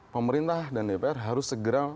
pemerintah dan dpr harus segera